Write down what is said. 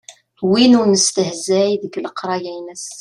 Win ur nestehzay deg leqray-ines.